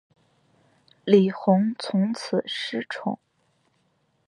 李弘从此失宠。